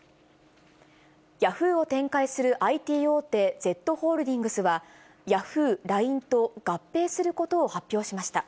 ヤフーを展開するＩＴ大手、Ｚホールディングスは、ヤフー、ＬＩＮＥと合併することを発表しました。